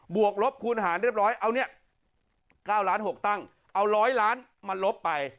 วกลบคูณหารเรียบร้อยเอาเนี่ย๙ล้าน๖ตั้งเอา๑๐๐ล้านมาลบไป